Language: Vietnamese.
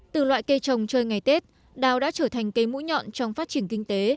từ loại cây trồng chơi ngày tết đào đã trở thành cây mũi nhọn trong phát triển kinh tế